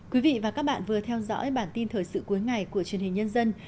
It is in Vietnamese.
quý vị và các bạn vừa theo dõi bản tin thời sự cuối ngày của truyền hình nhân dân